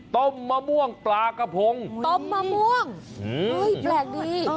มะม่วงปลากระพงต้มมะม่วงแปลกดี